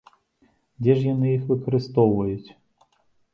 Дзе ж яны іх выкарыстоўваюць?